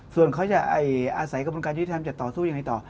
ส่วนเขาจะอาศัยกระบวนการยุทธิธรรมจะต่อสู้ยังไงต่อ